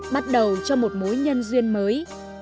bắt đầu cho một mối nhân duyên mới